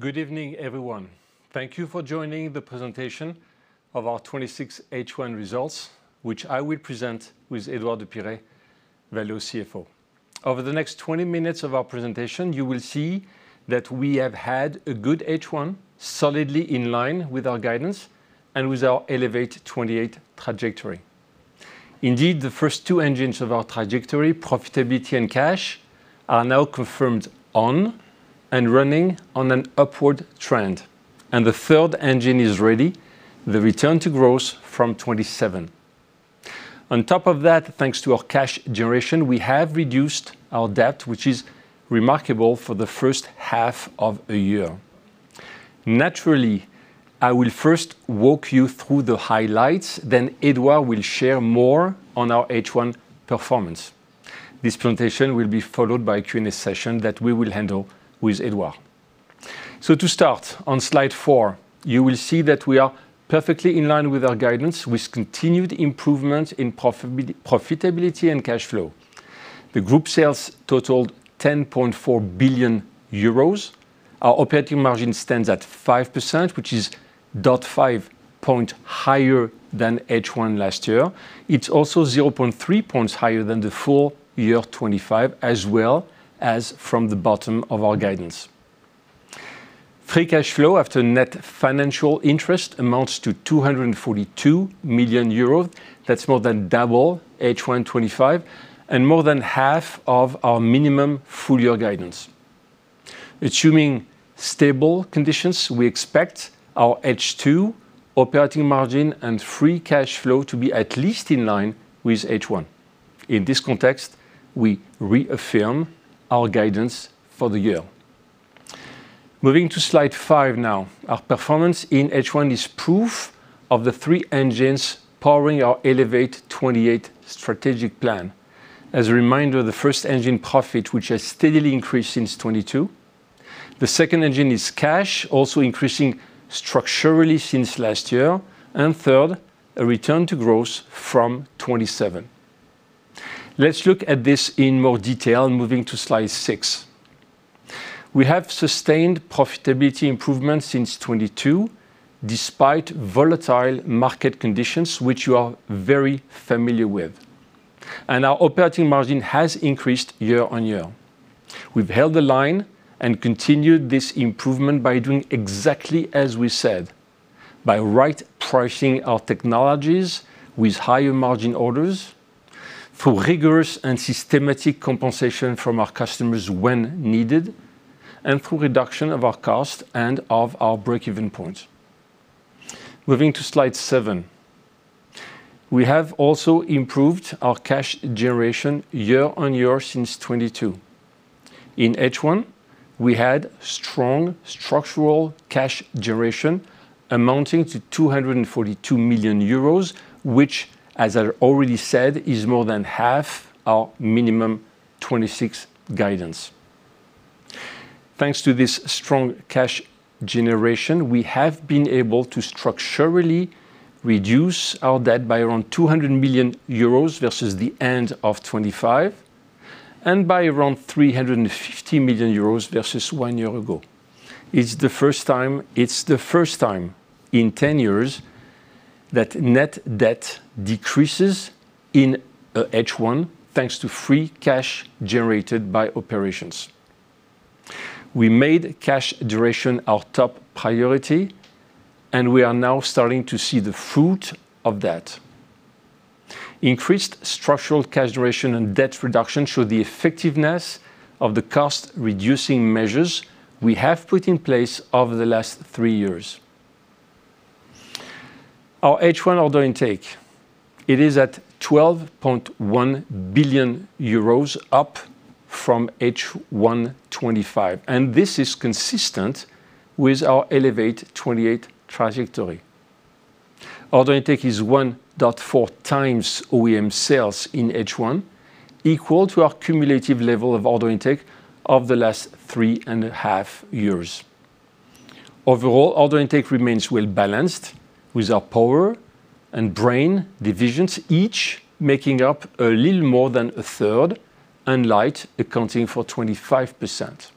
Good evening, everyone. Thank you for joining the presentation of our 2026 H1 results, which I will present with Edouard de Pirey, Valeo CFO. Over the next 20 minutes of our presentation, you will see that we have had a good H1 solidly in line with our guidance and with our Elevate 2028 trajectory. Indeed, the first two engines of our trajectory, profitability and cash, are now confirmed on and running on an upward trend, and the third engine is ready, the return to growth from 2027. On top of that, thanks to our cash generation, we have reduced our debt, which is remarkable for the first half of a year. Naturally, I will first walk you through the highlights, then Edouard will share more on our H1 performance. This presentation will be followed by a Q&A session that we will handle with Edouard. To start, on Slide four, you will see that we are perfectly in line with our guidance, with continued improvement in profitability and cash flow. The group sales totaled 10.4 billion euros. Our operating margin stands at 5%, which is 0.5 point higher than H1 last year. It's also 0.3 points higher than the full year 2025, as well as from the bottom of our guidance. Free cash flow after net financial interest amounts to 242 million euros. That's more than double H1 2025 and more than half of our minimum full-year guidance. Assuming stable conditions, we expect our H2 operating margin and free cash flow to be at least in line with H1. In this context, we reaffirm our guidance for the year. Moving to Slide five now. Our performance in H1 is proof of the three engines powering our Elevate 2028 strategic plan. As a reminder, the first engine, profit, which has steadily increased since 2022. The second engine is cash, also increasing structurally since last year, and third, a return to growth from 2027. Let's look at this in more detail and moving to Slide six. We have sustained profitability improvement since 2022, despite volatile market conditions, which you are very familiar with, and our operating margin has increased year-on-year. We've held the line and continued this improvement by doing exactly as we said, by right pricing our technologies with higher margin orders, through rigorous and systematic compensation from our customers when needed, and through reduction of our cost and of our break-even point. Moving to Slide seven. We have also improved our cash generation year-on-year since 2022. In H1, we had strong structural cash generation amounting to 242 million euros, which, as I already said, is more than half our minimum 2026 guidance. Thanks to this strong cash generation, we have been able to structurally reduce our debt by around 200 million euros versus the end of 2025 and by around 350 million euros versus one year ago. It's the first time in 10 years that net debt decreases in a H1 thanks to free cash generated by operations. We made cash generation our top priority, and we are now starting to see the fruit of that. Increased structural cash generation and debt reduction show the effectiveness of the cost-reducing measures we have put in place over the last three years. Our H1 order intake. It is at 12.1 billion euros, up from H1 2025, and this is consistent with our Elevate 2028 trajectory. Order intake is 1.4 times OEM sales in H1, equal to our cumulative level of order intake of the last three and a half years. Overall, order intake remains well-balanced, with our Power and BRAIN divisions, each making up a little more than a third, and LIGHT accounting for 25%.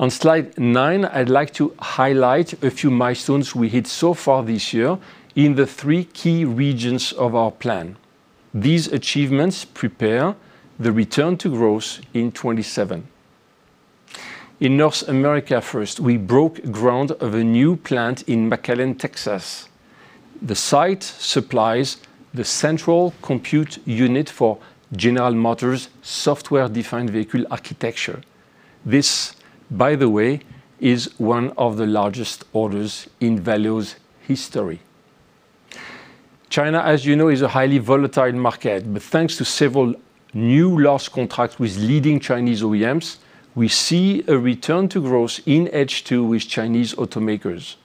On Slide nine, I would like to highlight a few milestones we hit so far this year in the three key regions of our plan. These achievements prepare the return to growth in 2027. In North America first, we broke ground of a new plant in McAllen, Texas. The site supplies the central compute unit for General Motors Software-Defined Vehicle Architecture. This, by the way, is one of the largest orders in Valeo's history. China, as you know, is a highly volatile market, but thanks to several new large contracts with leading Chinese OEMs, we see a return to growth in H2 with Chinese automakers.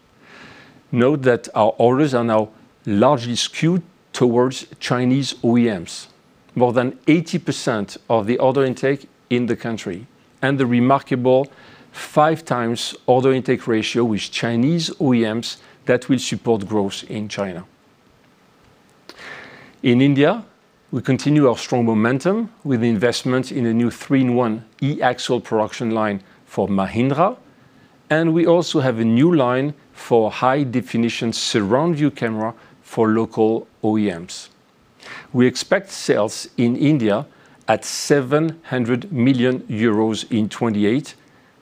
Note that our orders are now largely skewed towards Chinese OEMs. More than 80% of the order intake in the country and the remarkable five times order intake ratio with Chinese OEMs that will support growth in China. In India, we continue our strong momentum with investment in a new three-in-one e-axle production line for Mahindra, and we also have a new line for high-definition surround-view camera for local OEMs. We expect sales in India at 700 million euros in 2028,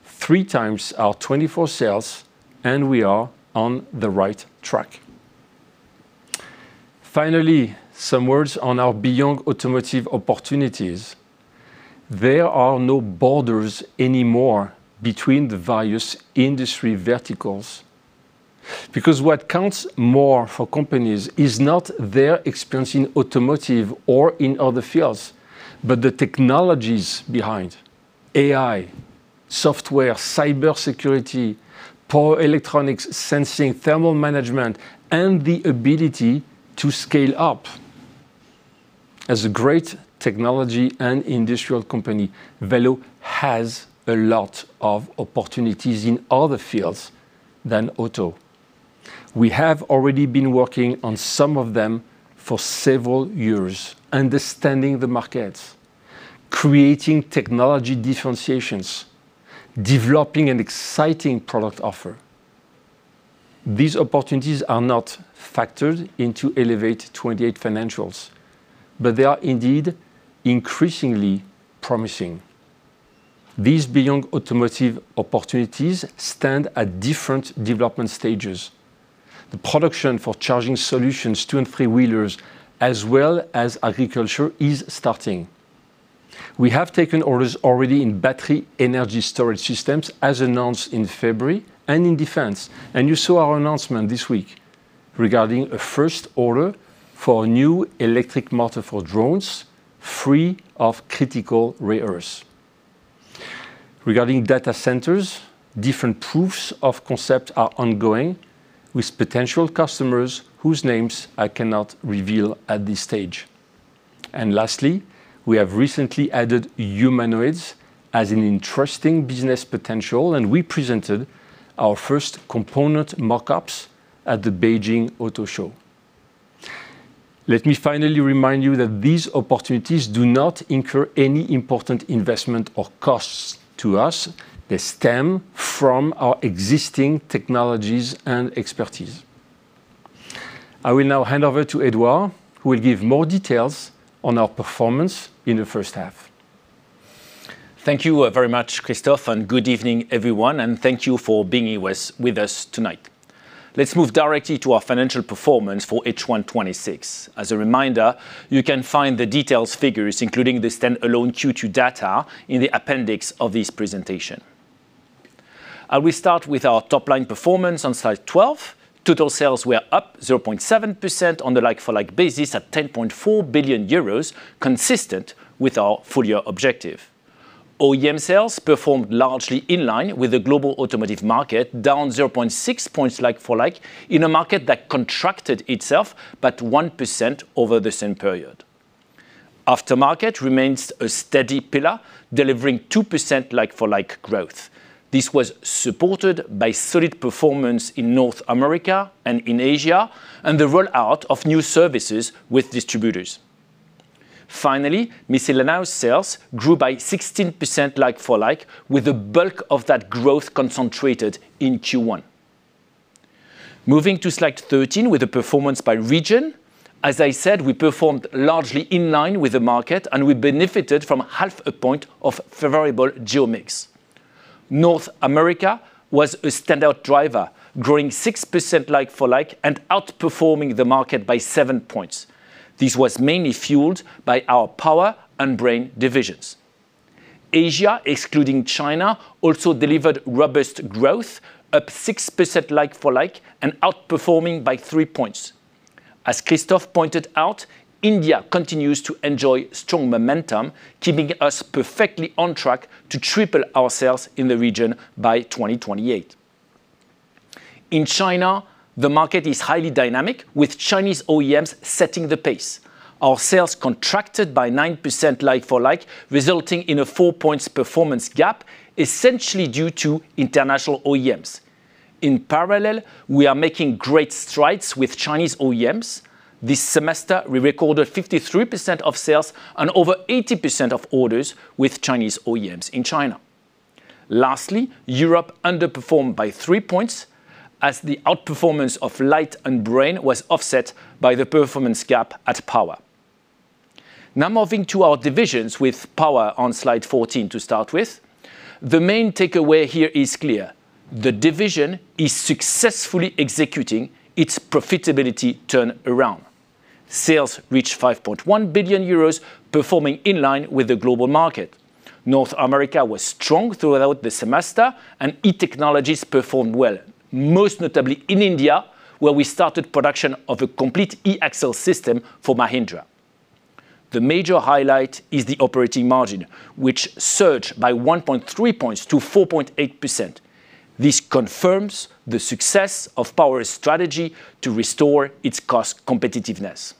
three times our 2024 sales, and we are on the right track. Finally, some words on our beyond automotive opportunities. There are no borders anymore between the various industry verticals. Because what counts more for companies is not their experience in automotive or in other fields, but the technologies behind, AI, software, cybersecurity, power electronics, sensing, thermal management, and the ability to scale up. As a great technology and industrial company, Valeo has a lot of opportunities in other fields than auto. We have already been working on some of them for several years, understanding the markets, creating technology differentiations, developing an exciting product offer. These opportunities are not factored into Elevate 2028 financials, but they are indeed increasingly promising. These beyond automotive opportunities stand at different development stages. The production for charging solutions, two and three-wheelers, as well as agriculture, is starting. We have taken orders already in battery energy storage systems, as announced in February, and in defense. And you saw our announcement this week regarding a first order for a new electric motor for drones, free of critical rare earths. Regarding data centers, different proofs of concept are ongoing with potential customers whose names I cannot reveal at this stage. Lastly, we have recently added humanoids as an interesting business potential, and we presented our first component mock-ups at the Beijing Auto Show. Let me finally remind you that these opportunities do not incur any important investment or costs to us. They stem from our existing technologies and expertise. I will now hand over to Edouard, who will give more details on our performance in the first half. Thank you very much, Christophe, and good evening, everyone, and thank you for being with us tonight. Let's move directly to our financial performance for H1 2026. As a reminder, you can find the detailed figures, including the standalone Q2 data, in the appendix of this presentation. We start with our top-line performance on slide 12. Total sales were up 0.7% on the like-for-like basis at 10.4 billion euros, consistent with our full-year objective. OEM sales performed largely in line with the global automotive market, down 0.6 points like-for-like, in a market that contracted itself by 1% over the same period. Aftermarket remains a steady pillar, delivering 2% like-for-like growth. This was supported by solid performance in North America and in Asia, and the rollout of new services with distributors. Miscellaneous sales grew by 16% like-for-like, with the bulk of that growth concentrated in Q1. Moving to slide 13 with the performance by region. As I said, we performed largely in line with the market, and we benefited from half a point of favorable geo mix. North America was a standout driver, growing 6% like-for-like and outperforming the market by seven points. This was mainly fueled by our Power and BRAIN divisions. Asia, excluding China, also delivered robust growth, up 6% like-for-like and outperforming by three points. As Christophe pointed out, India continues to enjoy strong momentum, keeping us perfectly on track to triple our sales in the region by 2028. In China, the market is highly dynamic, with Chinese OEMs setting the pace. Our sales contracted by 9% like-for-like, resulting in a four-points performance gap, essentially due to international OEMs. In parallel, we are making great strides with Chinese OEMs. This semester, we recorded 53% of sales and over 80% of orders with Chinese OEMs in China. Europe underperformed by three points, as the outperformance of LIGHT and BRAIN was offset by the performance gap at Power. Moving to our divisions, with Power on slide 14 to start with. The main takeaway here is clear: The division is successfully executing its profitability turnaround. Sales reached 5.1 billion euros, performing in line with the global market. North America was strong throughout the semester, and e-technologies performed well, most notably in India, where we started production of a complete e-axle system for Mahindra. The major highlight is the operating margin, which surged by 1.3 points to 4.8%. This confirms the success of Power's strategy to restore its cost competitiveness.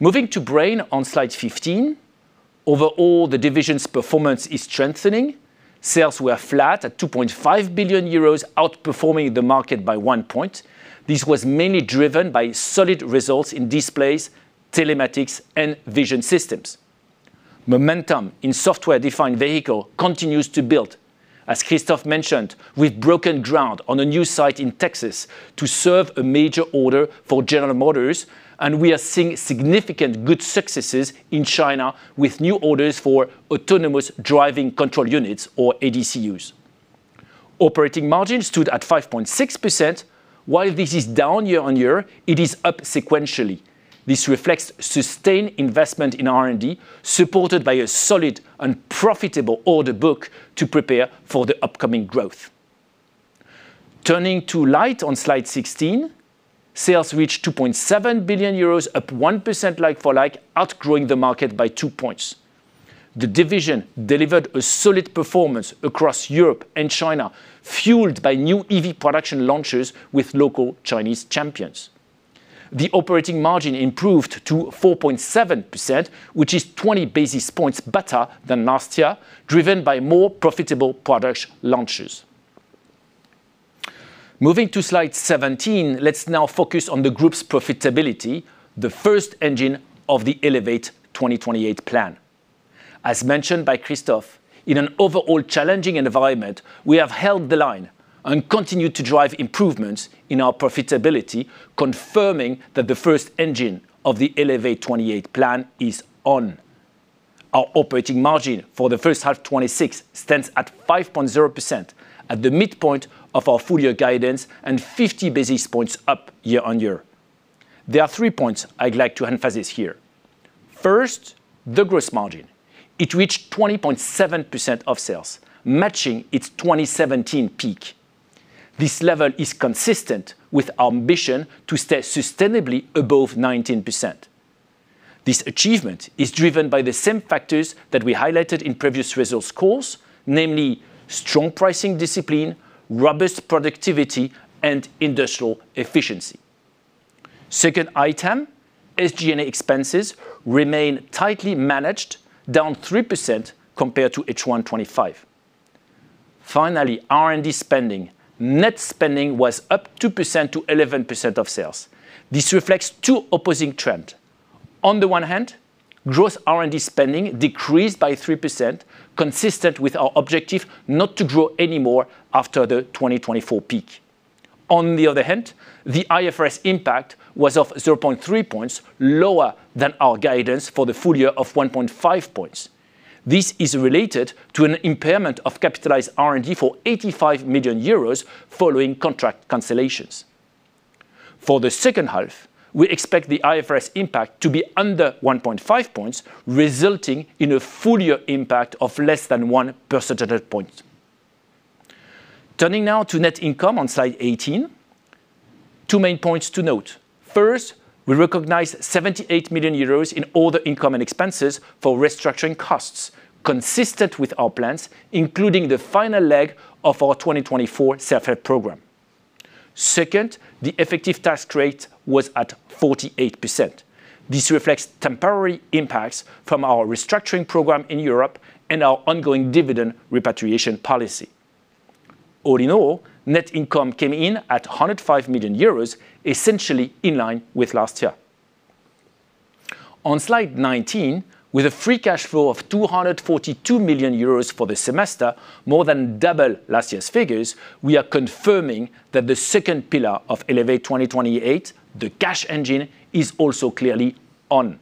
Moving to BRAIN on slide 15. Overall, the division's performance is strengthening. Sales were flat at 2.5 billion euros, outperforming the market by one point. This was mainly driven by solid results in displays, telematics, and vision systems. Momentum in Software-Defined Vehicle continues to build. As Christophe mentioned, we've broken ground on a new site in Texas to serve a major order for General Motors, and we are seeing significant good successes in China with new orders for Autonomous Driving Control Units, or ADCs. Operating margin stood at 5.6%. While this is down year-on-year, it is up sequentially. This reflects sustained investment in R&D, supported by a solid and profitable order book to prepare for the upcoming growth. Turning to LIGHT on Slide 16, sales reached 2.7 billion euros, up 1% like-for-like, outgrowing the market by two points. The division delivered a solid performance across Europe and China, fueled by new EV production launches with local Chinese champions. The operating margin improved to 4.7%, which is 20 basis points better than last year, driven by more profitable product launches. Moving to Slide 17, let's now focus on the group's profitability, the first engine of the Elevate 2028 plan. As mentioned by Christophe, in an overall challenging environment, we have held the line and continued to drive improvements in our profitability, confirming that the first engine of the Elevate 2028 plan is on. Our operating margin for the first half 2026 stands at 5.0% at the midpoint of our full-year guidance and 50 basis points up year-on-year. There are three points I'd like to emphasize here. First, the gross margin. It reached 20.7% of sales, matching its 2017 peak. This level is consistent with our ambition to stay sustainably above 19%. This achievement is driven by the same factors that we highlighted in previous results calls, namely strong pricing discipline, robust productivity, and industrial efficiency. Second item, SG&A expenses remain tightly managed, down 3% compared to H1 2025. Finally, R&D spending. Net spending was up 2% to 11% of sales. This reflects two opposing trends. On the one hand, gross R&D spending decreased by 3%, consistent with our objective not to grow any more after the 2024 peak. On the other hand, the IFRS impact was of 0.3 points, lower than our guidance for the full year of 1.5 points. This is related to an impairment of capitalized R&D for 85 million euros following contract cancellations. For the second half, we expect the IFRS impact to be under 1.5 points, resulting in a full-year impact of less than one percentage point. Turning now to net income on Slide 18. Two main points to note. First, we recognize 78 million euros in all the income and expenses for restructuring costs, consistent with our plans, including the final leg of our 2024 Save program. Second, the effective tax rate was at 48%. This reflects temporary impacts from our restructuring program in Europe and our ongoing dividend repatriation policy. All in all, net income came in at 105 million euros, essentially in line with last year. On Slide 19, with a free cash flow of 242 million euros for the semester, more than double last year's figures, we are confirming that the second pillar of Elevate 2028, the cash engine, is also clearly on.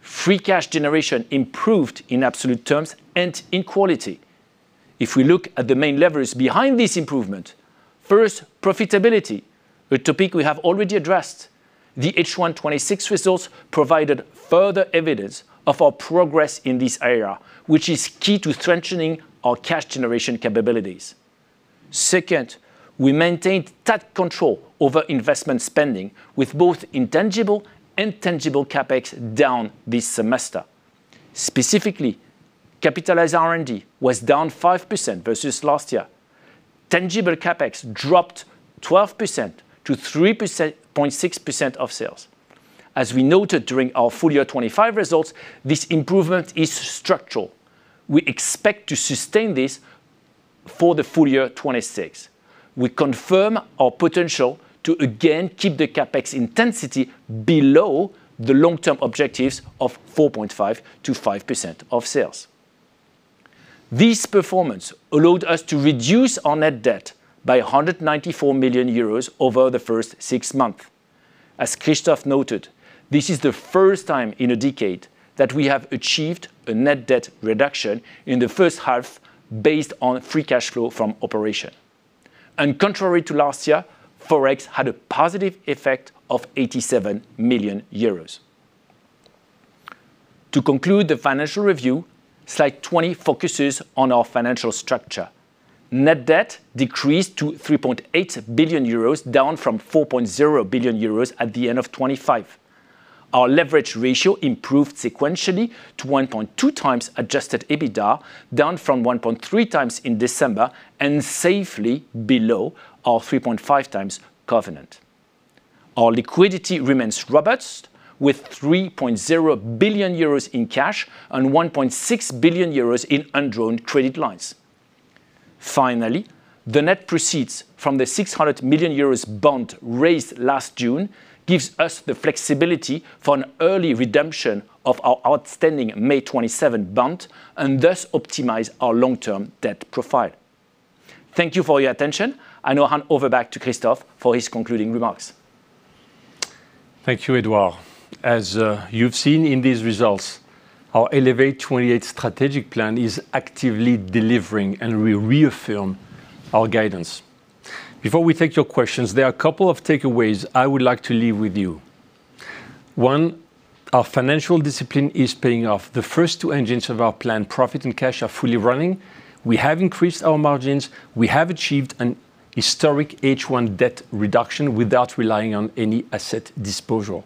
Free cash generation improved in absolute terms and in quality. If we look at the main levers behind this improvement, first, profitability, a topic we have already addressed. The H1 2026 results provided further evidence of our progress in this area, which is key to strengthening our cash generation capabilities. Second, we maintained tight control over investment spending with both intangible and tangible CapEx down this semester. Specifically, capitalized R&D was down 5% versus last year. Tangible CapEx dropped 12% to 3.6% of sales. As we noted during our full-year 2025 results, this improvement is structural. We expect to sustain this for the full year 2026. We confirm our potential to again keep the CapEx intensity below the long-term objectives of 4.5%-5% of sales. This performance allowed us to reduce our net debt by 194 million euros over the first six months. As Christophe noted, this is the first time in a decade that we have achieved a net debt reduction in the first half based on free cash flow from operation. Contrary to last year, Forex had a positive effect of 87 million euros. To conclude the financial review, Slide 20 focuses on our financial structure. Net debt decreased to 3.8 billion euros, down from 4.0 billion euros at the end of 2025. Our leverage ratio improved sequentially to 1.2x adjusted EBITDA, down from 1.3 times in December, and safely below our 3.5x covenant. Our liquidity remains robust with 3.0 billion euros in cash and 1.6 billion euros in undrawn credit lines. Finally, the net proceeds from the 600 million euros bond raised last June gives us the flexibility for an early redemption of our outstanding May 2027 bond, and thus optimize our long-term debt profile. Thank you for your attention. I now hand over back to Christophe for his concluding remarks. Thank you, Edouard. As you've seen in these results, our Elevate 2028 strategic plan is actively delivering, we reaffirm our guidance. Before we take your questions, there are a couple of takeaways I would like to leave with you. One, our financial discipline is paying off. The first two engines of our plan, profit and cash, are fully running. We have increased our margins. We have achieved an historic H1 debt reduction without relying on any asset disposal.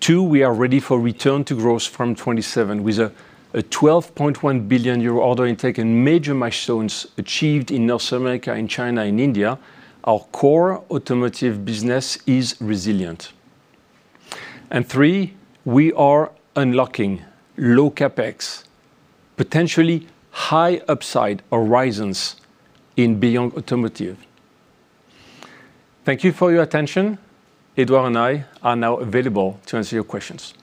Two, we are ready for return to growth from 2027 with a 12.1 billion euro order intake and major milestones achieved in North America, in China, in India. Our core automotive business is resilient. Three, we are unlocking low CapEx, potentially high upside horizons in beyond automotive. Thank you for your attention. Edouard and I are now available to answer your questions.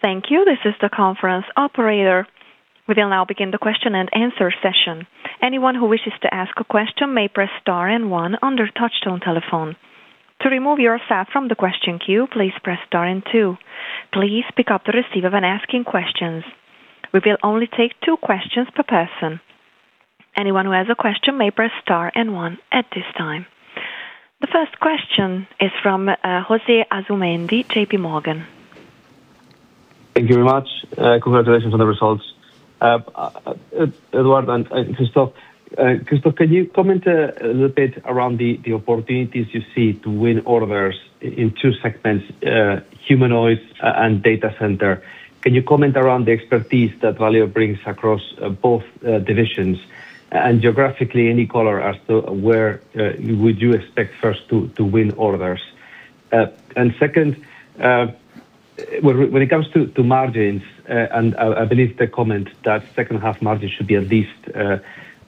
Thank you. This is the conference operator. We will now begin the question-and-answer session. Anyone who wishes to ask a question may press star and one on their touchtone telephone. To remove yourself from the question queue, please press star and two. Please pick up the receiver when asking questions. We will only take two questions per person. Anyone who has a question may press star and one at this time. The first question is from José Asumendi, JPMorgan. Thank you very much. Congratulations on the results. Edouard and Christophe. Christophe, can you comment a little bit around the opportunities you see to win orders in two segments, humanoids and data center? Can you comment around the expertise that Valeo brings across both divisions? Geographically, any color as to where would you expect first to win orders? Second, when it comes to margins, I believe the comment that second half margin should be at least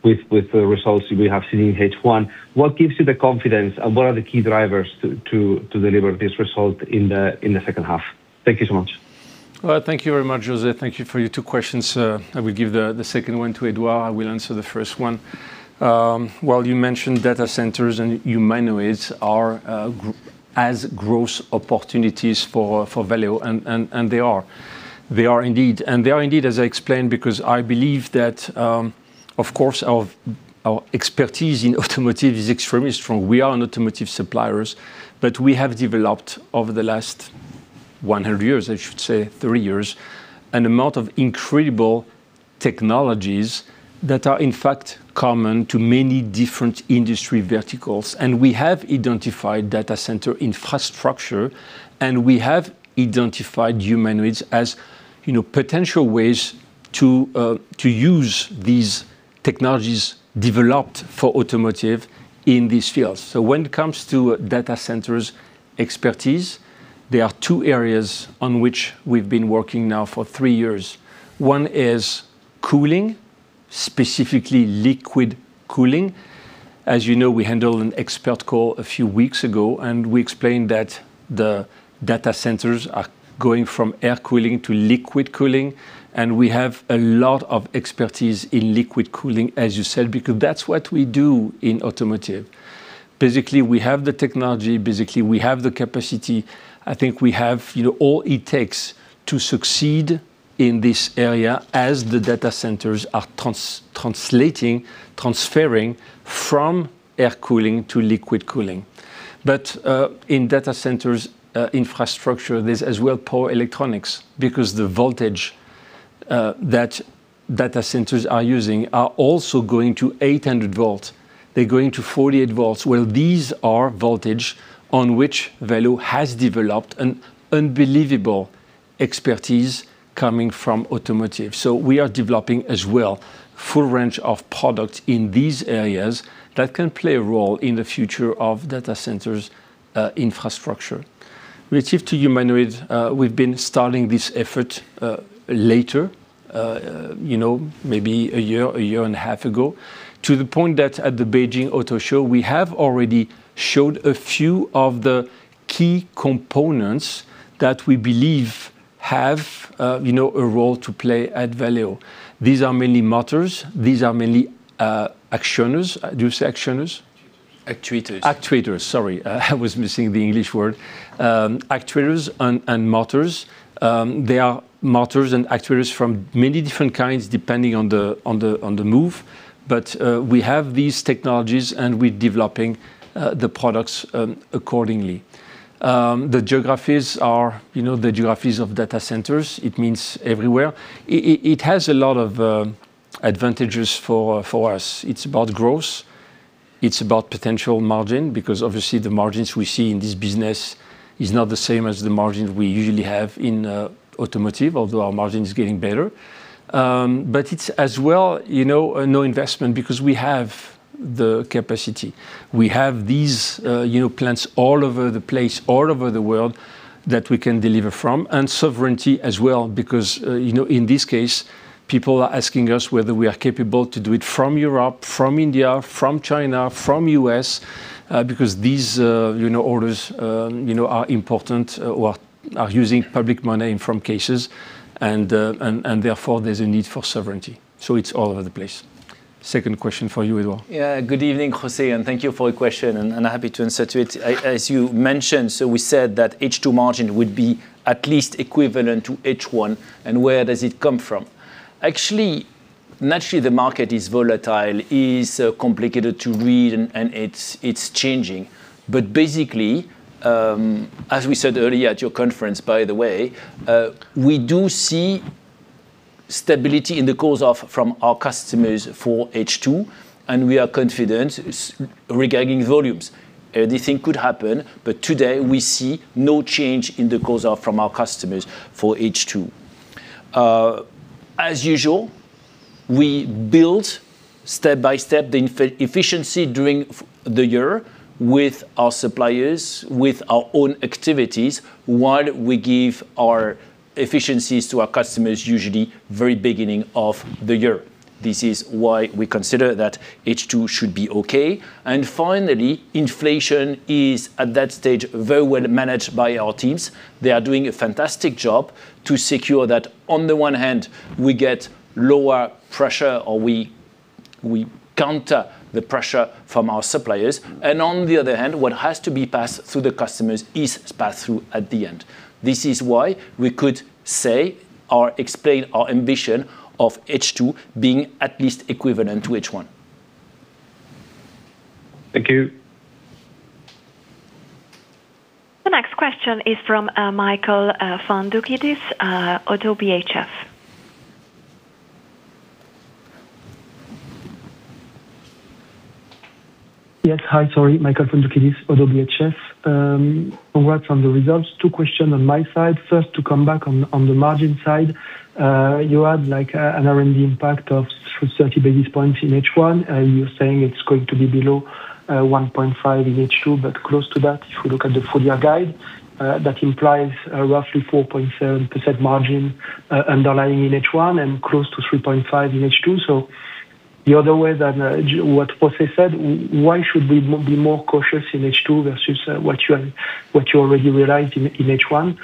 with the results we have seen in H1, what gives you the confidence and what are the key drivers to deliver this result in the second half? Thank you so much. Thank you very much, José. Thank you for your two questions. I will give the second one to Edouard. I will answer the first one. You mentioned data centers and humanoids are as growth opportunities for Valeo, and they are. They are indeed. They are indeed, as I explained, because I believe that, of course, our expertise in automotive is extremely strong. We are an automotive suppliers, but we have developed over the last 100 years, I should say 30 years, an amount of incredible technologies that are, in fact, common to many different industry verticals. We have identified data center infrastructure, and we have identified humanoids as potential ways to use these technologies developed for automotive in these fields. When it comes to data centers expertise, there are two areas on which we've been working now for three years. One is cooling, specifically liquid cooling. As you know, we handled an expert call a few weeks ago, we explained that the data centers are going from air cooling to liquid cooling, we have a lot of expertise in liquid cooling, as you said, because that's what we do in automotive. Basically, we have the technology. Basically, we have the capacity. I think we have all it takes to succeed in this area as the data centers are translating, transferring from air cooling to liquid cooling. In data centers infrastructure, there's as well power electronics, because the voltage that data centers are using are also going to 800 volts. They're going to 48 volts. These are voltage on which Valeo has developed an unbelievable expertise coming from automotive. We are developing as well full range of products in these areas that can play a role in the future of data centers infrastructure. Relative to humanoids, we've been starting this effort later, maybe a year, a year and a half ago, to the point that at the Beijing Auto Show, we have already showed a few of the key components that we believe have a role to play at Valeo. These are mainly motors. These are mainly actuators. Do you say actuators? Actuators. Actuators. Sorry, I was missing the English word. Actuators and motors. There are motors and actuators from many different kinds, depending on the move. We have these technologies, we're developing the products accordingly. The geographies are the geographies of data centers. It means everywhere. It has a lot of advantages for us. It's about growth. It's about potential margin, because obviously the margins we see in this business is not the same as the margin we usually have in automotive, although our margin is getting better. It's as well, no investment because we have the capacity. We have these plants all over the place, all over the world that we can deliver from, and sovereignty as well because, in this case, people are asking us whether we are capable to do it from Europe, from India, from China, from U.S., because these orders are important or are using public money in some cases. Therefore, there's a need for sovereignty. It's all over the place. Second question for you, Edouard. Yeah. Good evening, José. Thank you for your question, and happy to answer to it. As you mentioned, we said that H2 margin would be at least equivalent to H1. Where does it come from? Actually, naturally, the market is volatile, is complicated to read, and it's changing. Basically, as we said earlier at your conference, by the way, we do see stability in the calls from our customers for H2, and we are confident regarding volumes. Anything could happen, but today, we see no change in the calls from our customers for H2. As usual, we build step by step the efficiency during the year with our suppliers, with our own activities, while we give our efficiencies to our customers, usually very beginning of the year. This is why we consider that H2 should be okay. Finally, inflation is, at that stage, very well managed by our teams. They are doing a fantastic job to secure that. On the one hand, we get lower pressure, or we counter the pressure from our suppliers. On the other hand, what has to be passed through the customers is passed through at the end. This is why we could say or explain our ambition of H2 being at least equivalent to H1. Thank you. The next question is from Michael Foundoukidis, Oddo BHF. Yes. Hi, sorry. Michael Foundoukidis, Oddo BHF. Congrats on the results. Two question on my side. First, to come back on the margin side. You had an R&D impact of 30 basis points in H1. You're saying it's going to be below 1.5% in H2, but close to that if you look at the full-year guide. That implies a roughly 4.7% margin underlying in H1 and close to 3.5% in H2. The other way than what José said, why should we be more cautious in H2 versus what you already realized in H1?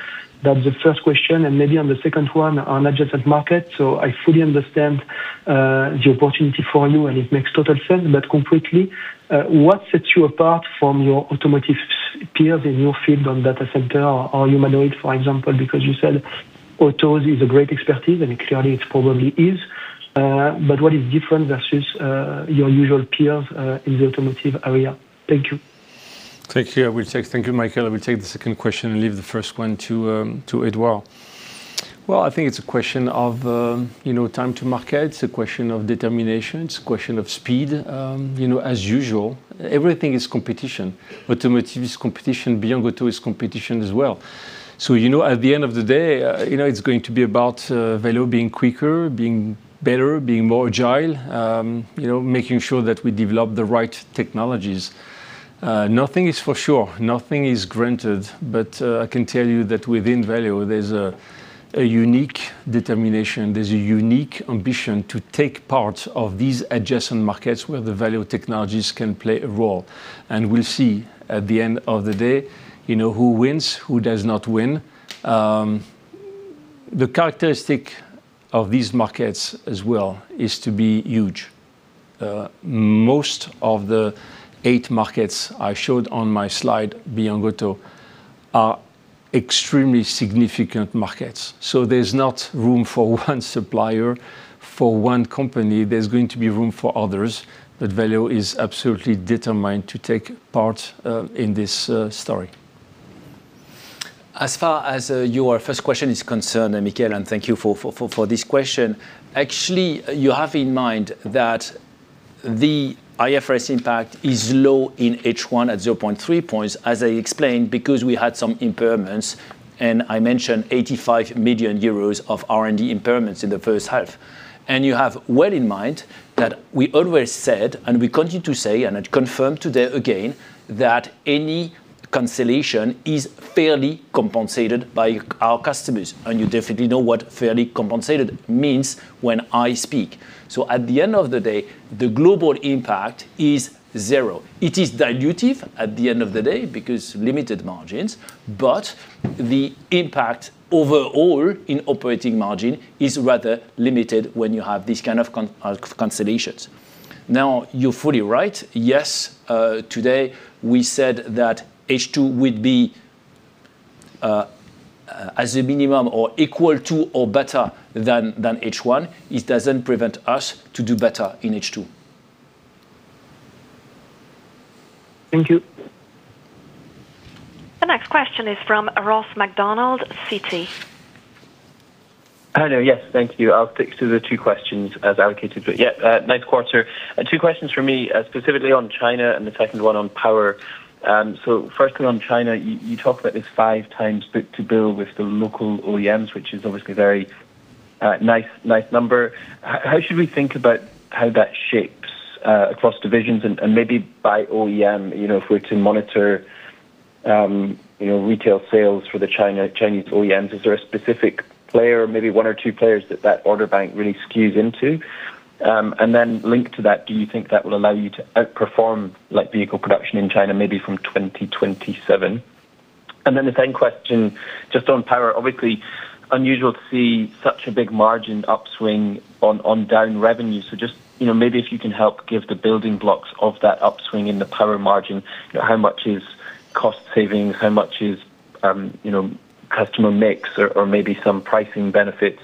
That's the first question. Maybe on the second one, on adjacent market. I fully understand the opportunity for you, and it makes total sense. Concretely, what sets you apart from your automotive peers in your field on data center or humanoid, for example? Because you said autos is a great expertise, clearly, it probably is. What is different versus your usual peers in the automotive area? Thank you. Thank you, Michael. I will take the second question and leave the first one to Edouard. Well, I think it's a question of time to market. It's a question of determination. It's a question of speed. As usual, everything is competition. Automotive is competition. Beyond Auto is competition as well. At the end of the day, it's going to be about Valeo being quicker, being better, being more agile, making sure that we develop the right technologies. Nothing is for sure. Nothing is granted. I can tell you that within Valeo, there's a unique determination. There's a unique ambition to take part of these adjacent markets where the Valeo technologies can play a role. We'll see at the end of the day who wins, who does not win. The characteristic of these markets as well is to be huge. Most of the eight markets I showed on my slide, Beyond Auto, are extremely significant markets. There's not room for one supplier, for one company. There's going to be room for others, Valeo is absolutely determined to take part in this story. As far as your first question is concerned, Michael, thank you for this question. You have in mind that the IFRS impact is low in H1 at 0.3 points, as I explained, because we had some impairments. I mentioned 85 million euros of R&D impairments in the first half. You have well in mind that we always said, we continue to say, I confirm today again, that any cancellation is fairly compensated by our customers. You definitely know what fairly compensated means when I speak. At the end of the day, the global impact is zero. It is dilutive at the end of the day because limited margins, but the impact overall in operating margin is rather limited when you have these kind of cancellations. You're fully right. Yes, today we said that H2 would be as a minimum or equal to or better than H1. It doesn't prevent us to do better in H2. Thank you. The next question is from Ross MacDonald, Citi. Hello. Yes, thank you. I'll stick to the two questions as allocated. Yes, nice quarter. Two questions from me, specifically on China and the second one on Power. Firstly, on China, you talk about this five times book-to-bill with the local OEMs, which is obviously a very nice number. How should we think about how that shapes across divisions and maybe by OEM, if we're to monitor retail sales for the Chinese OEMs, is there a specific player, maybe one or two players that order bank really skews into? Linked to that, do you think that will allow you to outperform light vehicle production in China maybe from 2027? The second question, just on Power, obviously unusual to see such a big margin upswing on down revenue. Just, maybe if you can help give the building blocks of that upswing in the Power margin, how much is cost savings, how much is customer mix or maybe some pricing benefits?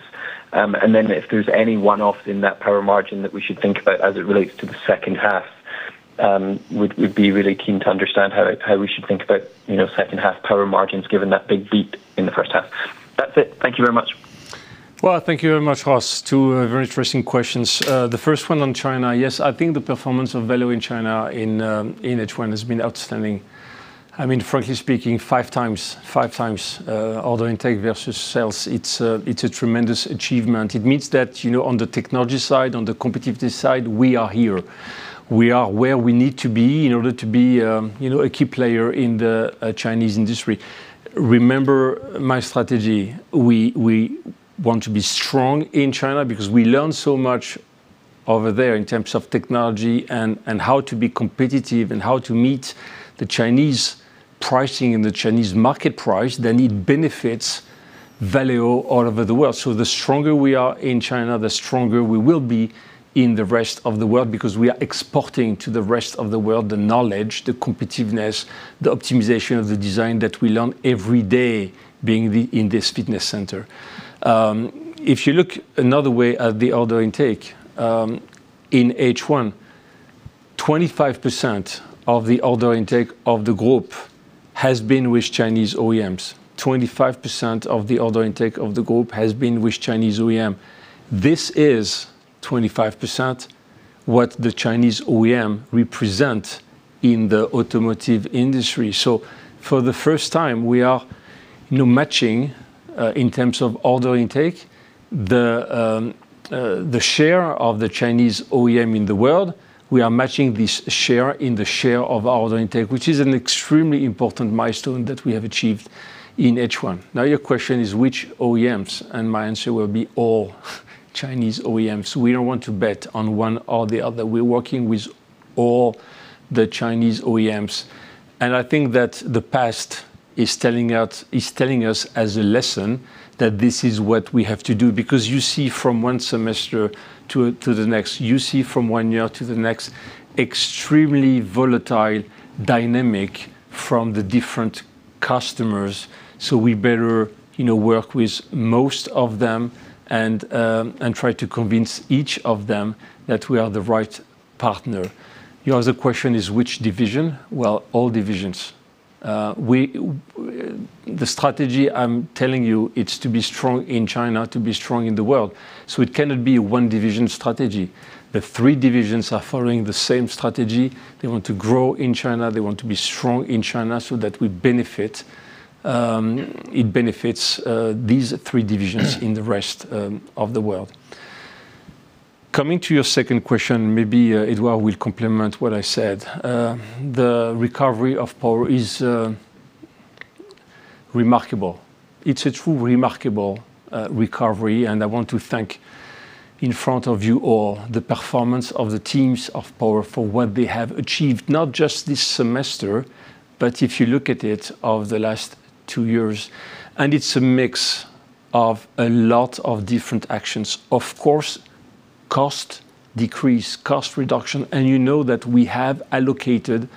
If there's any one-off in that Power margin that we should think about as it relates to the second half, we'd be really keen to understand how we should think about second half Power margins given that big beat in the first half. That's it. Thank you very much. Well, thank you very much, Ross. Two very interesting questions. The first one on China. Yes, I think the performance of Valeo in China in H1 has been outstanding. Frankly speaking, five times order intake versus sales, it's a tremendous achievement. It means that on the technology side, on the competitiveness side, we are here. We are where we need to be in order to be a key player in the Chinese industry. Remember my strategy. We want to be strong in China because we learn so much over there in terms of technology and how to be competitive and how to meet the Chinese pricing and the Chinese market price, it benefits Valeo all over the world. The stronger we are in China, the stronger we will be in the rest of the world because we are exporting to the rest of the world the knowledge, the competitiveness, the optimization of the design that we learn every day being in this fitness center. If you look another way at the order intake, in H1, 25% of the order intake of the group has been with Chinese OEMs. 25% of the order intake of the group has been with Chinese OEM. This is 25% what the Chinese OEM represent in the automotive industry. For the first time, we are matching, in terms of order intake, the share of the Chinese OEM in the world. We are matching this share in the share of order intake, which is an extremely important milestone that we have achieved in H1. Your question is which OEMs, and my answer will be all Chinese OEMs. We don't want to bet on one or the other. We're working with all the Chinese OEMs, and I think that the past is telling us as a lesson that this is what we have to do, because you see from one semester to the next, you see from one year to the next, extremely volatile dynamic from the different customers. We better work with most of them and try to convince each of them that we are the right partner. Your other question is which division. All divisions. The strategy I'm telling you, it's to be strong in China, to be strong in the world. It cannot be a one-division strategy. The three divisions are following the same strategy. They want to grow in China. They want to be strong in China so that it benefits these three divisions in the rest of the world. Coming to your second question, maybe Edouard will complement what I said. The recovery of Power is remarkable. It's a true remarkable recovery, and I want to thank in front of you all, the performance of the teams of Power for what they have achieved, not just this semester, but if you look at it, of the last two years. It's a mix of a lot of different actions. Of course, cost decrease, cost reduction, and you know that we have allocated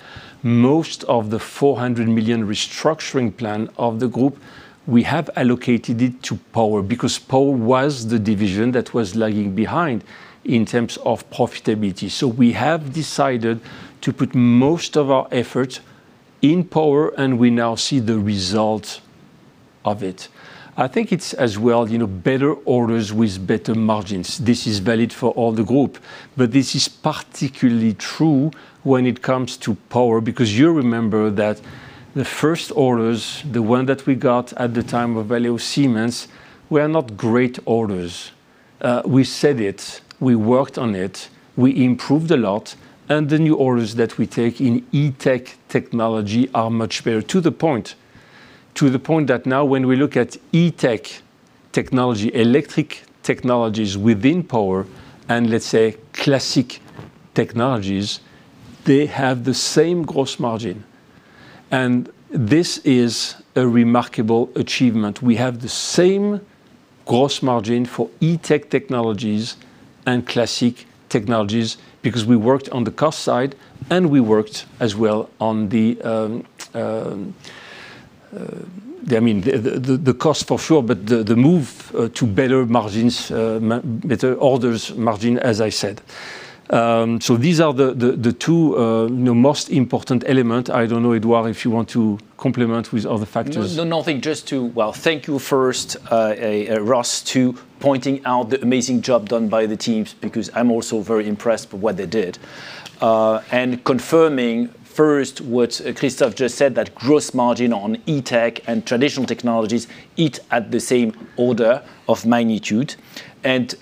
most of the 400 million restructuring plan of the group, we have allocated it to Power because Power was the division that was lagging behind in terms of profitability. We have decided to put most of our effort in Power, and we now see the result of it. I think it's as well, better orders with better margins. This is valid for all the group, but this is particularly true when it comes to Power because you remember that the first orders, the one that we got at the time of Valeo Siemens, were not great orders. We said it, we worked on it, we improved a lot, and the new orders that we take in e-tech technology are much better. To the point that now when we look at e-tech technology, electric technologies within Power, and let's say classic technologies, they have the same gross margin. This is a remarkable achievement. We have the same gross margin for e-tech technologies and classic technologies because we worked on the cost side and we worked as well on the cost for sure, but the move to better margins, better orders margin, as I said. These are the two most important element. I don't know, Edouard, if you want to complement with other factors. No, nothing. Thank you first, Ross, to pointing out the amazing job done by the teams, because I am also very impressed with what they did. Confirming first what Christophe just said, that gross margin on e-tech and traditional technologies is at the same order of magnitude.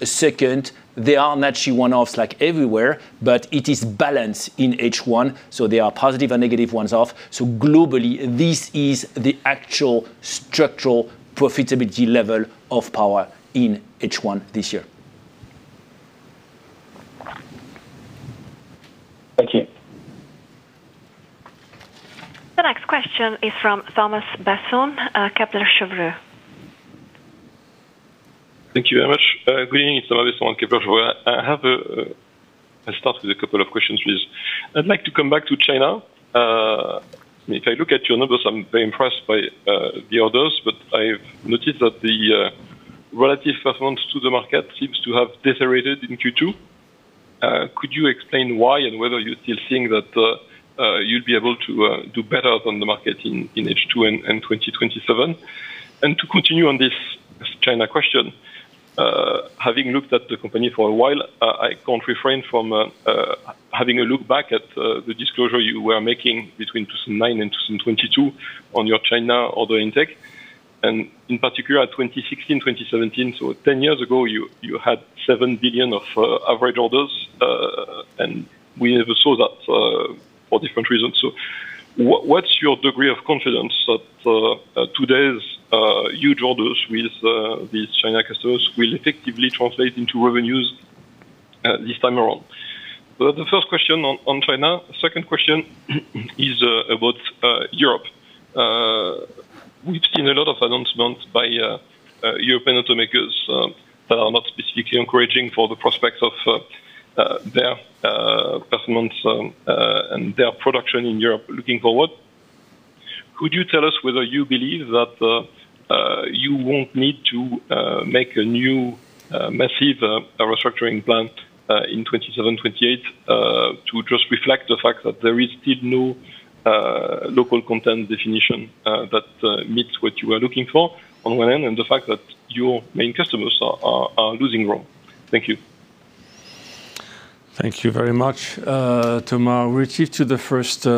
Second, there are naturally one-offs, like everywhere, but it is balanced in H1, there are positive and negative one-offs. Globally, this is the actual structural profitability level of power in H1 this year. Thank you. The next question is from Thomas Besson, Kepler Cheuvreux. Thank you very much. Good evening, it's Thomas Besson, Kepler Cheuvreux. I'll start with a couple of questions, please. I'd like to come back to China. If I look at your numbers, I'm very impressed by the orders. I've noticed that the relative performance to the market seems to have deteriorated in Q2. Could you explain why and whether you're still seeing that you'll be able to do better than the market in H2 and 2027? To continue on this China question, having looked at the company for a while, I can't refrain from having a look back at the disclosure you were making between 2009 and 2022 on your China order intake, and in particular, at 2016, 2017. 10 years ago, you had 7 billion of average orders, and we never saw that for different reasons. What's your degree of confidence that today's huge orders with these China customers will effectively translate into revenues this time around? That's the first question on China. The second question is about Europe. We've seen a lot of announcements by European automakers that are not specifically encouraging for the prospects of their performance and their production in Europe looking forward. Could you tell us whether you believe that you won't need to make a new, massive restructuring plant in 2027, 2028, to just reflect the fact that there is still no local content definition that meets what you are looking for on one end, and the fact that your main customers are losing growth. Thank you. Thank you very much, Thomas. Related to the first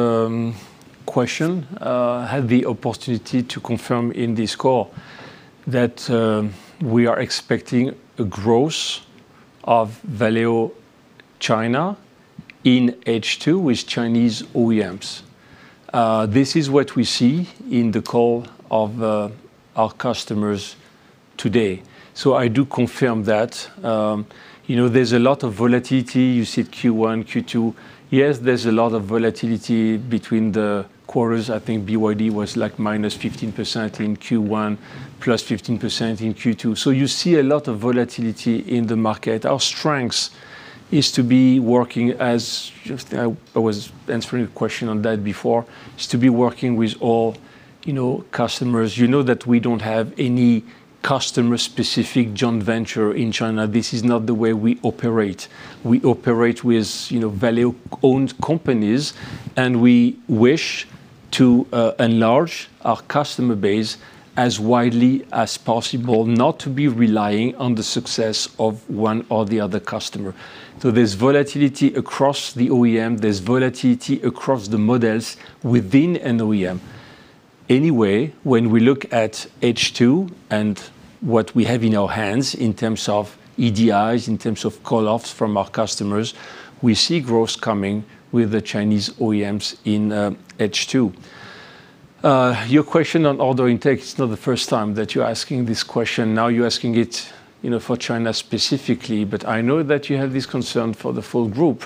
question, I had the opportunity to confirm in this call that we are expecting a growth of Valeo China in H2 with Chinese OEMs. This is what we see in the call of our customers today. I do confirm that. There's a lot of volatility. You said Q1, Q2. Yes, there's a lot of volatility between the quarters. I think BYD was -15% in Q1, +15% in Q2. You see a lot of volatility in the market. Our strength is to be working, as I was answering a question on that before, is to be working with all customers. You know that we don't have any customer-specific joint venture in China. This is not the way we operate. We operate with Valeo-owned companies. We wish to enlarge our customer base as widely as possible, not to be relying on the success of one or the other customer. There's volatility across the OEM, there's volatility across the models within an OEM. Anyway, when we look at H2 and what we have in our hands in terms of EDI, in terms of call-offs from our customers, we see growth coming with the Chinese OEMs in H2. Your question on order intake, it's not the first time that you're asking this question. Now you're asking it for China specifically, but I know that you have this concern for the full group.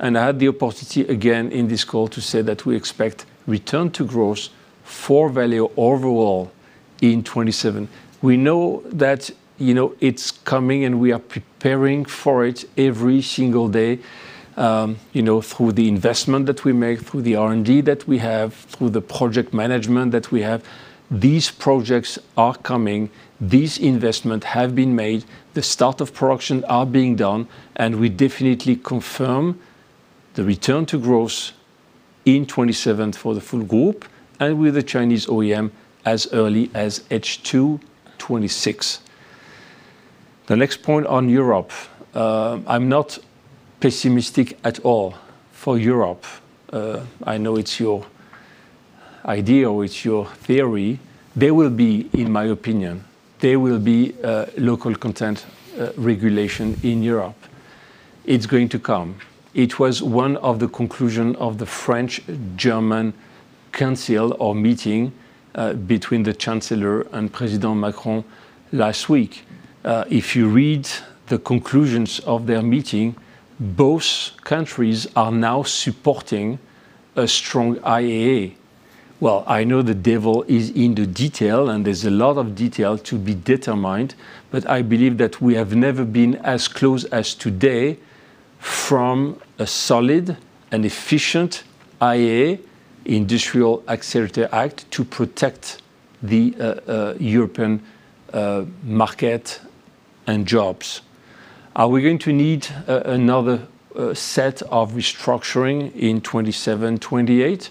I had the opportunity again in this call to say that we expect return to growth for Valeo overall in 2027. We are preparing for it every single day, through the investment that we make, through the R&D that we have, through the project management that we have. These projects are coming. These investments have been made. The start of production is being done, and we definitely confirm the return to growth in 2027 for the full group and with the Chinese OEM as early as H2 2026. The next point on Europe. I'm not pessimistic at all for Europe. I know it's your idea or it's your theory. There will be, in my opinion, local content regulation in Europe. It's going to come. It was one of the conclusions of the French-German council or meeting between the chancellor and President Macron last week. If you read the conclusions of their meeting, both countries are now supporting a strong IAA. I know the devil is in the detail, there's a lot of detail to be determined, I believe that we have never been as close as today from a solid and efficient IAA, Industrial Accelerator Act, to protect the European market and jobs. Are we going to need another set of restructuring in 2027, 2028?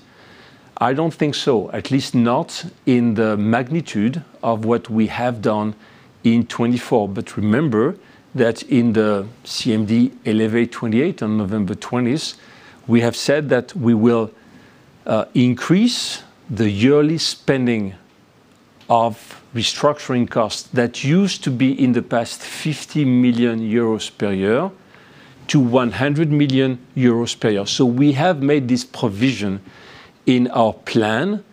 I don't think so, at least not in the magnitude of what we have done in 2024. Remember that in the CMD Elevate 2028 on November 20th, we have said that we will increase the yearly spending of restructuring costs that used to be in the past 50 million euros per year to 100 million euros per year. We have made this provision in our plan,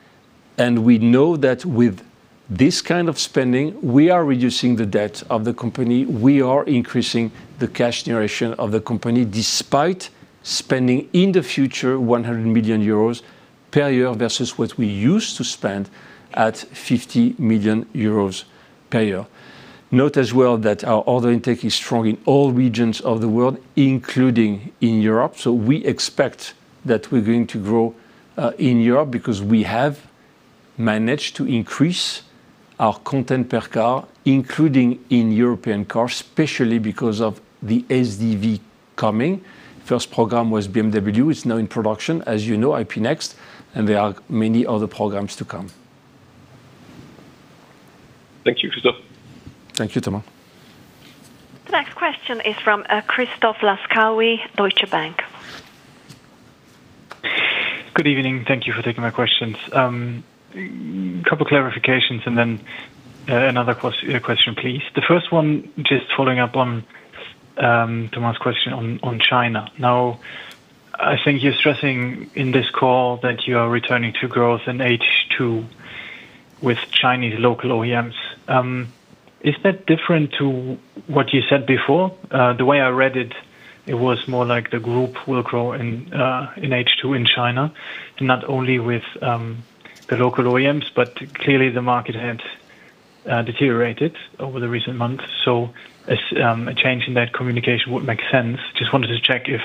we know that with this kind of spending, we are reducing the debt of the company, we are increasing the cash generation of the company despite spending, in the future, 100 million euros per year versus what we used to spend at 50 million euros per year. Note as well that our order intake is strong in all regions of the world, including in Europe. We expect that we're going to grow in Europe because we have managed to increase our content per car, including in European cars, especially because of the SDV coming. First program was BMW, it's now in production, as you know, IP Next, there are many other programs to come. Thank you, Christophe. Thank you, Thomas. The next question is from Christoph Laskawi, Deutsche Bank. Good evening. Thank you for taking my questions. Couple clarifications and then another question, please. The first one, just following up on Thomas' question on China. Now, I think you're stressing in this call that you are returning to growth in H2 with Chinese local OEMs. Is that different to what you said before? The way I read it was more like the group will grow in H2 in China, not only with the local OEMs, but clearly the market had deteriorated over the recent months. A change in that communication would make sense. Just wanted to check if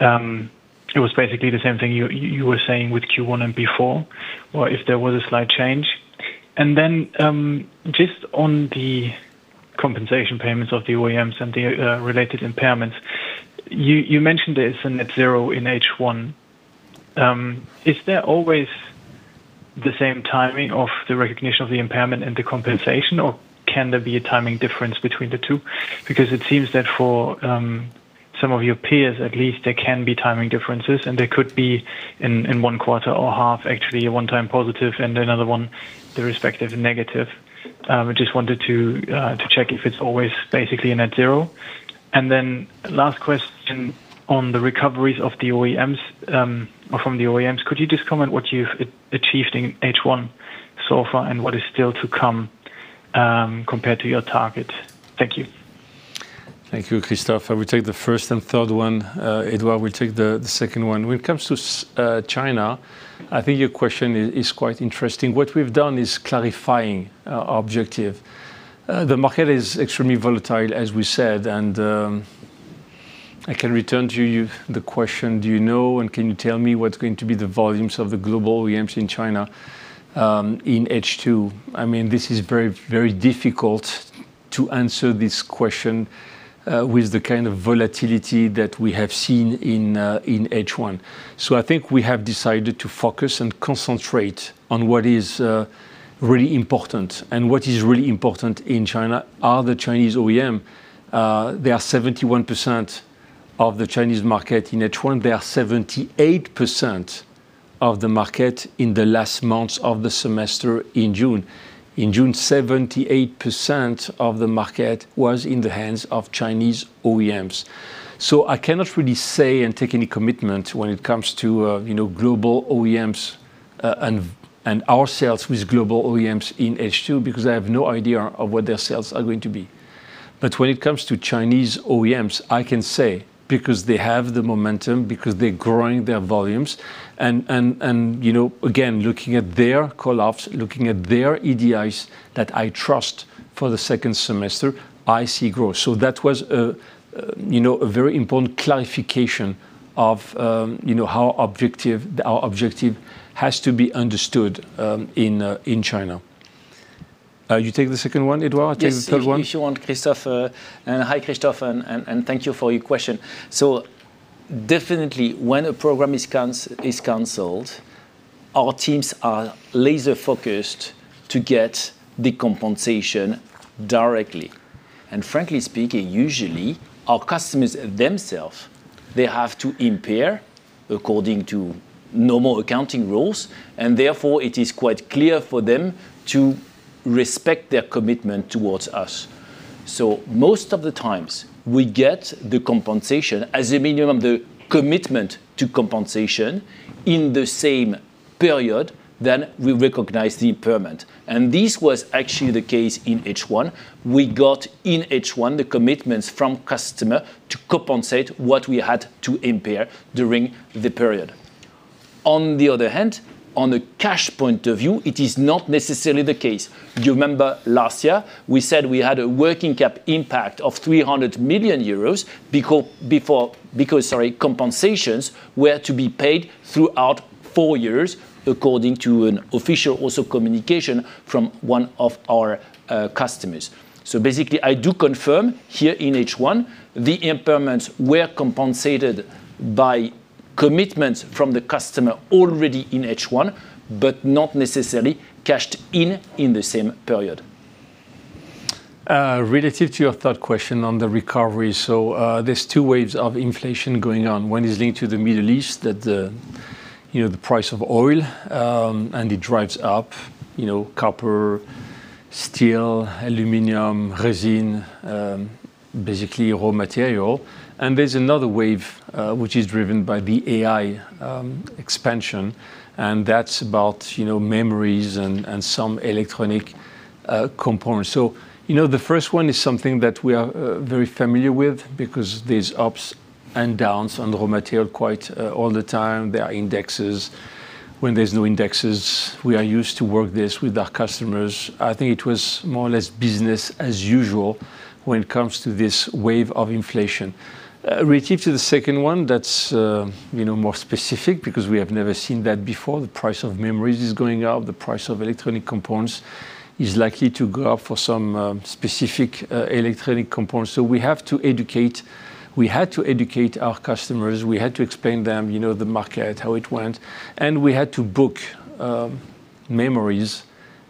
it was basically the same thing you were saying with Q1 and before, or if there was a slight change. Just on the compensation payments of the OEMs and the related impairments. You mentioned a net zero in H1. Is there always the same timing of the recognition of the impairment and the compensation, or can there be a timing difference between the two? It seems that for some of your peers at least, there can be timing differences, and there could be in one quarter or half, actually, a one-time positive and another one, the respective negative. Just wanted to check if it's always basically a net zero. Last question on the recoveries of the OEMs, or from the OEMs. Could you just comment what you've achieved in H1 so far and what is still to come, compared to your target? Thank you. Thank you, Christoph. I will take the first and third one. Edouard will take the second one. When it comes to China, I think your question is quite interesting. What we've done is clarifying our objective. The market is extremely volatile, as we said, and I can return to you the question, do you know and can you tell me what's going to be the volumes of the global OEMs in China in H2? This is very difficult to answer this question with the kind of volatility that we have seen in H1. I think we have decided to focus and concentrate on what is really important, and what is really important in China are the Chinese OEM. They are 71% of the Chinese market in H1. They are 78% of the market in the last months of the semester in June. In June, 78% of the market was in the hands of Chinese OEMs. I cannot really say and take any commitment when it comes to global OEMs and our sales with global OEMs in H2, because I have no idea of what their sales are going to be. When it comes to Chinese OEMs, I can say because they have the momentum, because they're growing their volumes and again, looking at their call-offs, looking at their EDI that I trust for the second semester, I see growth. That was a very important clarification of how our objective has to be understood in China. You take the second one, Edouard, I take the third one. Yes. If you want, Christoph. Hi, Christoph, and thank you for your question. Definitely when a program is canceled, our teams are laser-focused to get the compensation directly. Frankly speaking, usually our customers themselves, they have to impair according to normal accounting rules, and therefore, it is quite clear for them to respect their commitment towards us. Most of the times we get the compensation as a minimum, the commitment to compensation in the same period, then we recognize the impairment. This was actually the case in H1. We got in H1, the commitments from customer to compensate what we had to impair during the period. On the other hand, on the cash point of view, it is not necessarily the case. Do you remember last year, we said we had a working cap impact of 300 million euros because compensations were to be paid throughout four years according to an official also communication from one of our customers. Basically, I do confirm here in H1, the impairments were compensated by commitments from the customer already in H1, but not necessarily cashed in the same period. Relative to your third question on the recovery. There's two waves of inflation going on. One is linked to the Middle East, the price of oil, and it drives up copper, steel, aluminum, resin, basically raw material. There's another wave, which is driven by the AI expansion, and that's about memories and some electronic components. The first one is something that we are very familiar with because there's ups and downs on the raw material quite all the time. There are indexes. When there's no indexes, we are used to work this with our customers. I think it was more or less business as usual when it comes to this wave of inflation. Relative to the second one, that's more specific because we have never seen that before. The price of memories is going up. The price of electronic components is likely to go up for some specific electronic components. We had to educate our customers, we had to explain them the market, how it went, and we had to book memories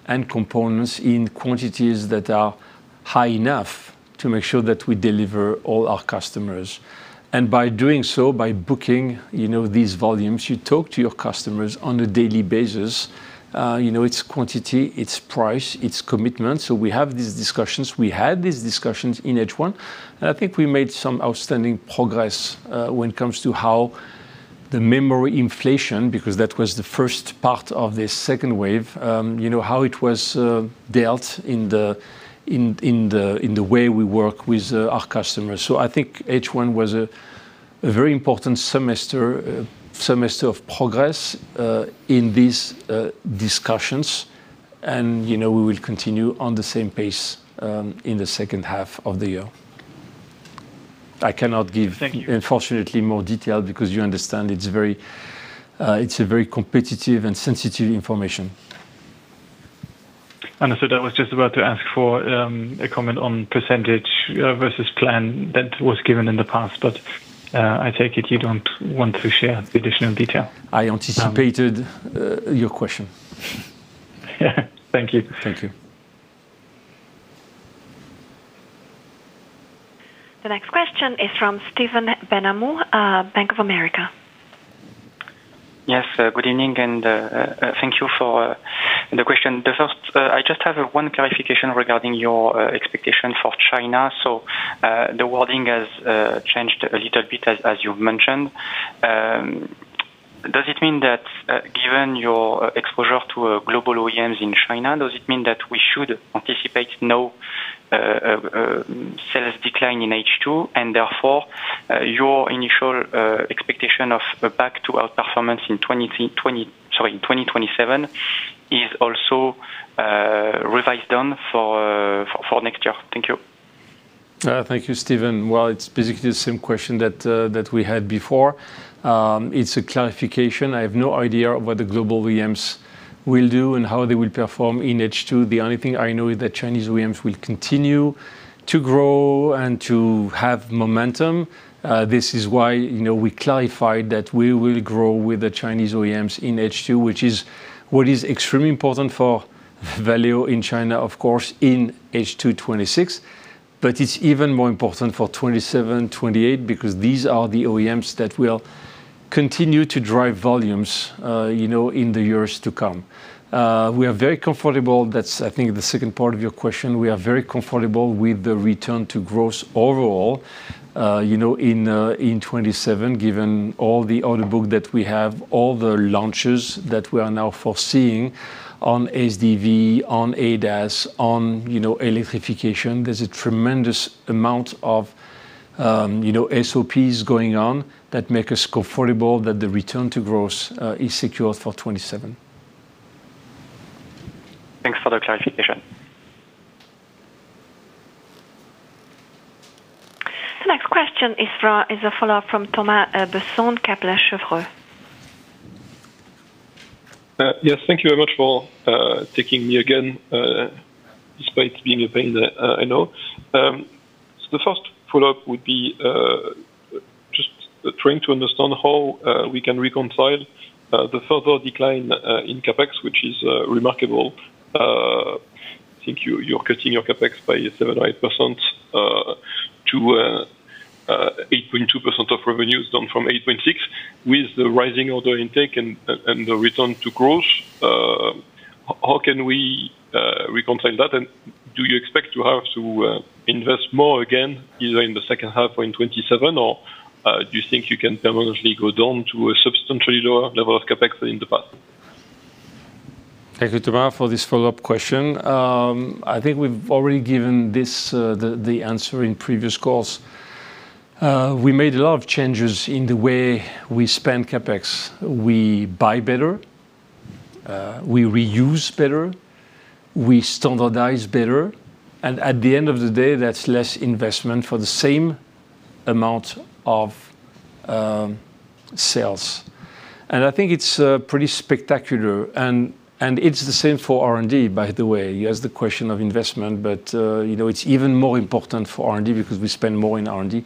and components in quantities that are high enough to make sure that we deliver all our customers. By doing so, by booking these volumes, you talk to your customers on a daily basis. It's quantity, it's price, it's commitment. We have these discussions. We had these discussions in H1, and I think we made some outstanding progress, when it comes to how the memory inflation, because that was the first part of the second wave, how it was dealt in the way we work with our customers. I think H1 was a very important semester of progress, in these discussions. We will continue on the same pace in the second half of the year. I cannot give- Thank you Unfortunately, more detail because you understand it's a very competitive and sensitive information. Understood. I was just about to ask for a comment on percentage versus plan that was given in the past, but I take it you don't want to share the additional detail. I anticipated your question. Thank you. Thank you. The next question is from Stephen Benhamou, Bank of America. Yes. Thank you for the question. The first, I just have one clarification regarding your expectation for China. The wording has changed a little bit as you've mentioned. Given your exposure to global OEMs in China, does it mean that we should anticipate no sales decline in H2? Therefore, your initial expectation of back to outperformance in 2027 is also revised down for next year. Thank you. Thank you, Stephen. It's basically the same question that we had before. It's a clarification. I have no idea what the global OEMs will do and how they will perform in H2. The only thing I know is that Chinese OEMs will continue to grow and to have momentum. This is why we clarified that we will grow with the Chinese OEMs in H2, which is what is extremely important for Valeo in China, of course, in H2 2026. It's even more important for 2027, 2028, because these are the OEMs that will continue to drive volumes in the years to come. We are very comfortable. That's, I think, the second part of your question. We are very comfortable with the return to growth overall in 2027, given all the order book that we have, all the launches that we are now foreseeing on SDV, on ADAS, on electrification. There's a tremendous amount of SOPs going on that make us comfortable that the return to growth is secure for 2027. Thanks for the clarification. The next question is a follow-up from Thomas Besson, Kepler Cheuvreux. Yes, thank you very much for taking me again, despite being a pain in the I know. The first follow-up would be, just trying to understand how we can reconcile the further decline in CapEx, which is remarkable. I think you're cutting your CapEx by 7% or 8% to 8.2% of revenues down from 8.6% with the rising order intake and the return to growth. How can we reconcile that, and do you expect to have to invest more again, either in the second half or in 2027, or do you think you can permanently go down to a substantially lower level of CapEx than in the past? Thank you, Thomas, for this follow-up question. I think we've already given the answer in previous calls. We made a lot of changes in the way we spend CapEx. We buy better, we reuse better, we standardize better, and at the end of the day, that's less investment for the same amount of sales. I think it's pretty spectacular. It's the same for R&D, by the way. You asked the question of investment, but it's even more important for R&D because we spend more in R&D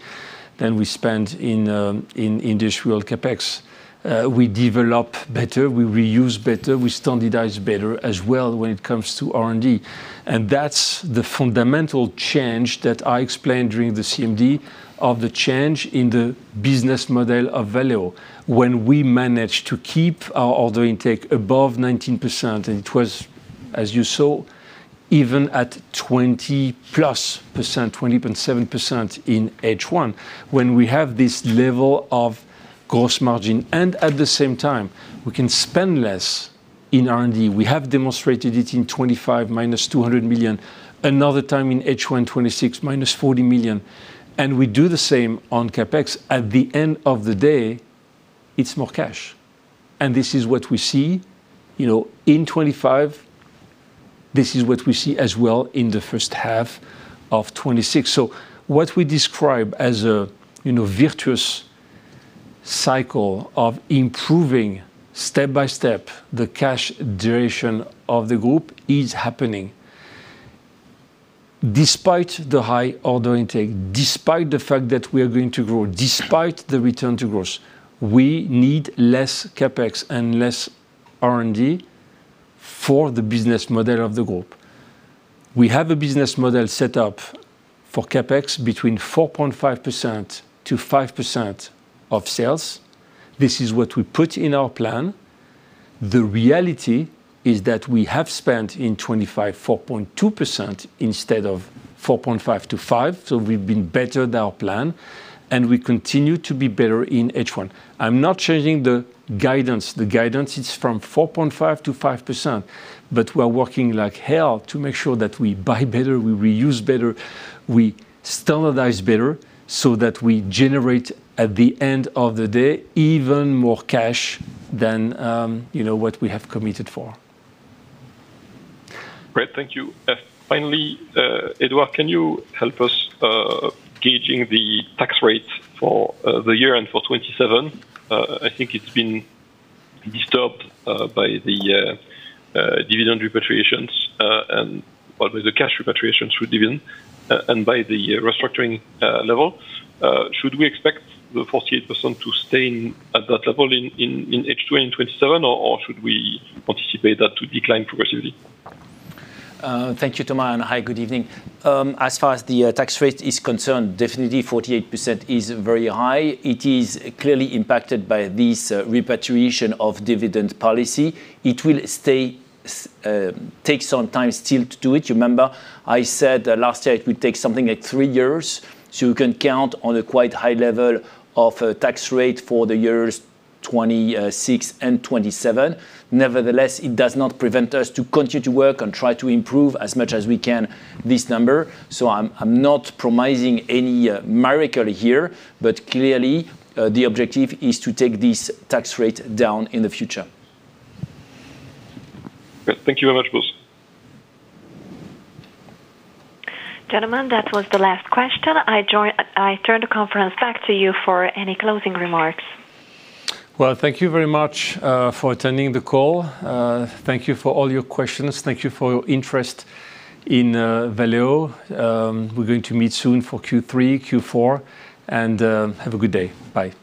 than we spend in industrial CapEx. We develop better, we reuse better, we standardize better as well when it comes to R&D. That's the fundamental change that I explained during the CMD of the change in the business model of Valeo. When we manage to keep our order intake above 19%, and it was, as you saw, even at 20% plus, 20.7% in H1. When we have this level of gross margin, at the same time we can spend less in R&D. We have demonstrated it in 2025, minus 200 million. Another time in H1 2026, minus 40 million. We do the same on CapEx. At the end of the day, it is more cash. This is what we see in 2025. This is what we see as well in the first half of 2026. So what we describe as a virtuous cycle of improving, step-by-step, the cash duration of the group is happening. Despite the high order intake, despite the fact that we are going to grow, despite the return to growth, we need less CapEx and less R&D for the business model of the group. We have a business model set up for CapEx between 4.5%-5% of sales. This is what we put in our plan. The reality is that we have spent in 2025, 4.2% instead of 4.5%-5%. So we have been better than our plan, and we continue to be better in H1. I am not changing the guidance. The guidance is from 4.5%-5%, but we are working like hell to make sure that we buy better, we reuse better, we standardize better so that we generate, at the end of the day, even more cash than what we have committed for. Great. Thank you. Finally, Edouard, can you help us gauging the tax rate for the year and for 2027? I think it has been disturbed by the dividend repatriations and, well, the cash repatriations through dividend and by the restructuring level. Should we expect the 48% to stay at that level in H2 in 2027, or should we anticipate that to decline progressively? Thank you, Thomas, and hi, good evening. As far as the tax rate is concerned, definitely 48% is very high. It is clearly impacted by this repatriation of dividend policy. It will take some time still to do it. You remember I said last year it would take something like three years, so you can count on a quite high level of tax rate for the years 2026 and 2027. Nevertheless, it does not prevent us to continue to work and try to improve as much as we can this number. So I am not promising any miracle here, but clearly, the objective is to take this tax rate down in the future. Great. Thank you very much, boss. Gentlemen, that was the last question. I turn the conference back to you for any closing remarks. Well, thank you very much for attending the call. Thank you for all your questions. Thank you for your interest in Valeo. We're going to meet soon for Q3, Q4, and have a good day. Bye.